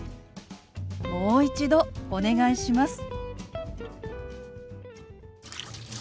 「もう一度お願いします」。